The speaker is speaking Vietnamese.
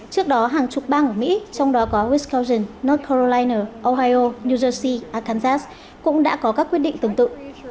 trước đó hàng chục bang ở mỹ trong đó có wisconsin north carolina ohio new jersey arkansas cũng đã có các quyết định tương tự